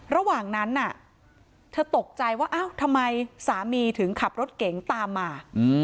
ระหว่างนั้นเธอตกใจว่าอ้าวทำไมสามีถึงขับรถเก๋งตามมา